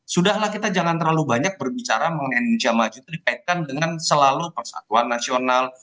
sudahlah kita jangan terlalu banyak berbicara mengenai indonesia maju itu dikaitkan dengan selalu persatuan nasional